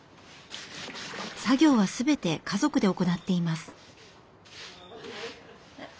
作業は全て家族で行っています。